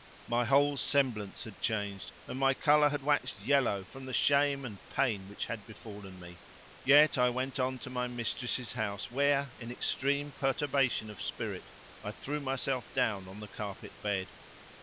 My whole semblance had changed, and my colour had waxed yellow from the shame and pain which had befallen me. Yet I went on to my mistress's house where, in extreme perturbation of spirit I threw myself down on the carpet bed.